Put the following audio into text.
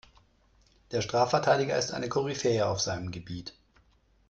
Der Strafverteidiger ist eine Koryphäe auf seinem Gebiet.